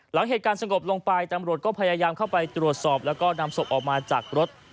หลังเหตุการณ์สงบลงไปตำรวจก็พยายามเข้าไปตรวจสอบแล้วก็นำศพออกมาจากรถ